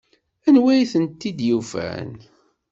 Anwi ay tent-id-yufan?